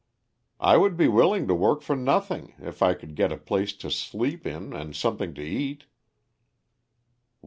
"I would be willing to work for nothing, if I could get a place to sleep in and something to eat."